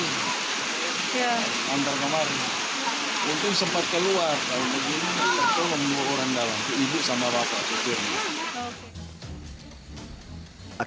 untung sempat keluar kalau begitu kita tolong dua orang dalam ibu sama bapak